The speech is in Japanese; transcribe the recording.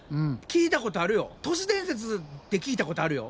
都市伝説で聞いたことあるよ。